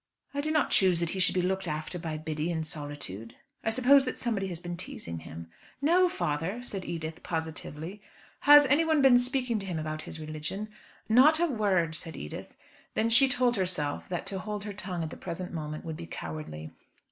"I do not choose that he should be looked after by Biddy in solitude. I suppose that somebody has been teasing him." "No, father," said Edith, positively. "Has anyone been speaking to him about his religion?" "Not a word," said Edith. Then she told herself that to hold her tongue at the present moment would be cowardly.